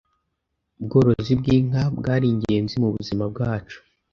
ubworozi bw’inka bwari ingenzi mu buzima bwacu.